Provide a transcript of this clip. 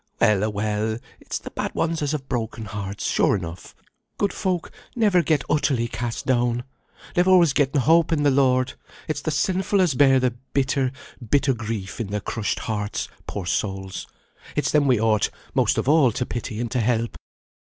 Well a well! it's the bad ones as have the broken hearts, sure enough; good folk never get utterly cast down, they've always getten hope in the Lord: it's the sinful as bear the bitter, bitter grief in their crushed hearts, poor souls; it's them we ought, most of all, to pity and to help.